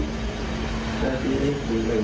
คุณผู้ชมก็จะเห็นว่ายังพูดอยู่คนเดียวนะคะ